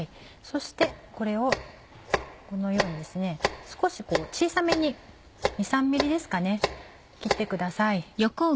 そしてこれをこのようにですね少し小さめに２３ｍｍですかね切ってください。